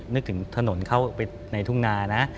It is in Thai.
นึกถึงถนนเข้าไปในทุ่งนานะ